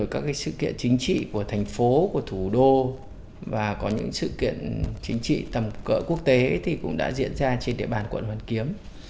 chính trị của thành phố của thủ đô và có những sự kiện chính trị tầm cỡ quốc tế cũng đã diễn ra trên địa bàn quận hoàn kiếm